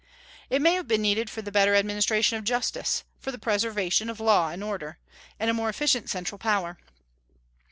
It may have been needed for the better administration of justice, for the preservation of law and order, and a more efficient central power.